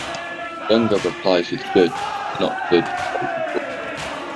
Younger replies with "Good", "Not good" or "Equal".